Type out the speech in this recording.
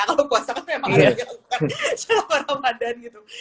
kalau puasa kan memang harus dilakukan selama ramadan gitu